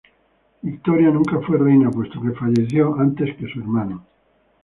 Victoria nunca fue Reina, puesto que falleció antes que su hermano.